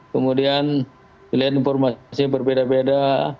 kemudian pilihan informasi berbeda beda